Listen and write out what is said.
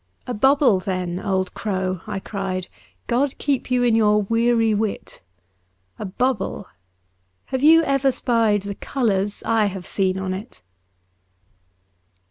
197 ♦ A bubble, then, old crow,' I cried, * God keep you in your weary wit ! A bubble — have you ever spied The colours I have seen on it